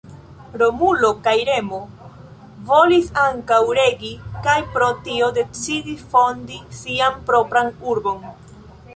Romulo kaj Remo volis ankaŭ regi kaj pro tio decidis fondi sian propran urbon.